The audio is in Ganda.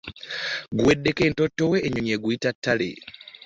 Guweddeko entonto, enyonyi ziguyita ttale .